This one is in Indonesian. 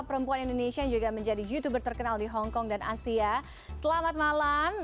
perempuan indonesia yang juga menjadi youtuber terkenal di hongkong dan asia selamat malam